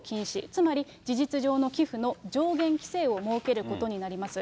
つまり、事実上の寄付の上限規制を設けることになります。